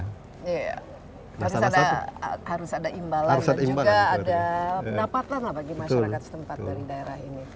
harus ada imbalan dan juga ada pendapatan lah bagi masyarakat setempat dari daerah ini